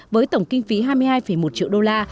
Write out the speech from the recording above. với tổng kinh phí hai mươi hai một triệu đô la